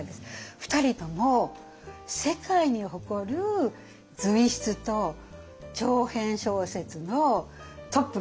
２人とも世界に誇る随筆と長編小説のトップの人なんですね。